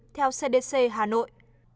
theo cdc hà nội